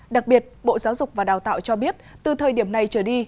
đặc biệt bộ giáo dục và đào tạo cho biết từ thời điểm này trở đi